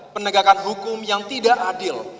penegakan hukum yang tidak adil